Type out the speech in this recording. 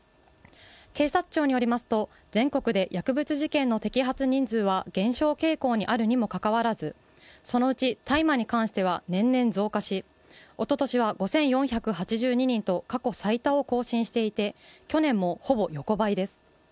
警察庁によりますと、全国で薬物事件の摘発人数は減少傾向にあるにもかかわらず、そのうち大麻に関しては年々増加し、おととしは５４８２人と過去最多を更新していて去年もほぼ横ばいです。